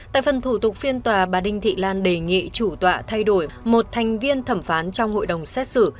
tại phần thủ tục phiên tòa bà đinh thị lan đề nghị chủ tọa thay đổi một thành viên thẩm phán trong hội đồng xét xử